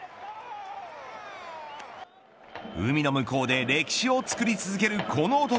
海の向こうで歴史を作り続けるこの男。